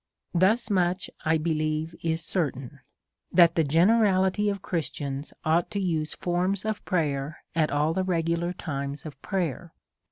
Thus much, 1 believe, is certain, that the generality o? Christians ought to use forms of prayer at all the regular times of prayer.